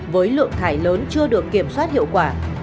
với lượng thải lớn chưa được kiểm soát hiệu quả